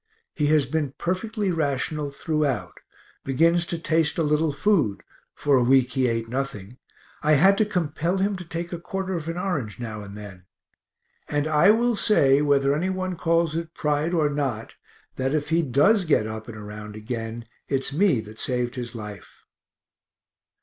He has been perfectly rational throughout begins to taste a little food (for a week he ate nothing; I had to compel him to take a quarter of an orange now and then), and I will say, whether anyone calls it pride or not, that if he does get up and around again it's me that saved his life.